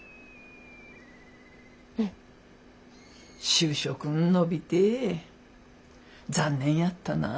就職ん延びて残念やったなぁ。